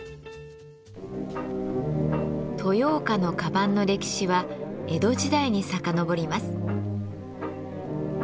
豊岡の鞄の歴史は江戸時代に遡ります。